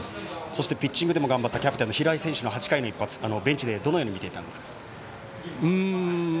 そしてピッチングでも頑張った平井選手の一発ベンチでどのように見ていたんですか。